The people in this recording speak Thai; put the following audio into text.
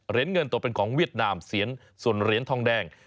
เงินตัวเป็นของเวียดนามส่วนเหรียญทองแดง